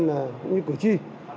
cũng như cử tri